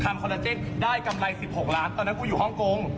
คอลลาเจนได้กำไร๑๖ล้านตอนนั้นกูอยู่ฮ่องกง